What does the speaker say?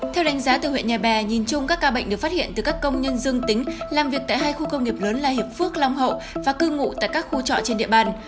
theo đánh giá từ huyện nhà bè nhìn chung các ca bệnh được phát hiện từ các công nhân dương tính làm việc tại hai khu công nghiệp lớn là hiệp phước long hậu và cư ngụ tại các khu trọ trên địa bàn